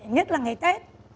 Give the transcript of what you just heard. nhất là ngày tết